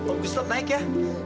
om gustaf naik ya